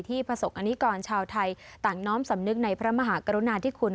ประสบกรณิกรชาวไทยต่างน้อมสำนึกในพระมหากรุณาธิคุณ